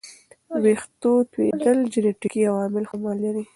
ویښتو توېیدل جنیټیکي عوامل هم لري.